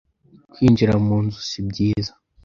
kwinjira mu nzu sibyiza